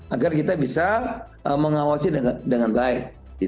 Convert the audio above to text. agar kita bisa mengawasi dengan baik